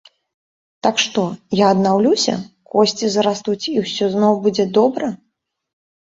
Так што, я аднаўлюся, косці зарастуць, і ўсё зноў будзе добра.